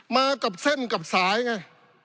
มากับเส้นกับสายไง